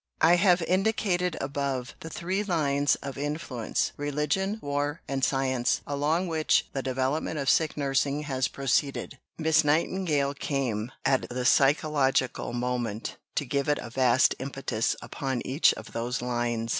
I have indicated above the three lines of influence religion, war, and science along which the development of sick nursing has proceeded. Miss Nightingale came at the psychological moment to give it a vast impetus upon each of those lines.